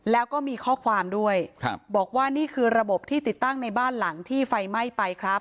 แล้วก็มีข้อความด้วยบอกว่านี่คือระบบที่ติดตั้งในบ้านหลังที่ไฟไหม้ไปครับ